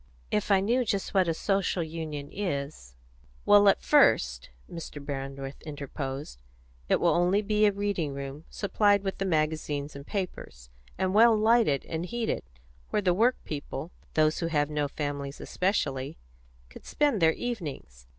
"If I knew just what a Social Union is " "Well, at first," Mr. Brandreth interposed, "it will only be a reading room, supplied with the magazines and papers, and well lighted and heated, where the work people those who have no families especially could spend their evenings.